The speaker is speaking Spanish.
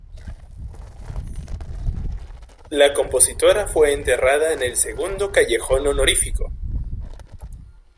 La compositora fue enterrada en el Segundo Callejón Honorífico.